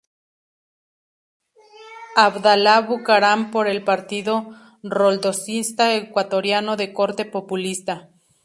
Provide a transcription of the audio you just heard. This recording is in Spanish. Abdalá Bucaram por el Partido Roldosista Ecuatoriano de corte populista.